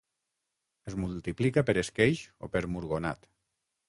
Es multiplica per esqueix o per murgonat.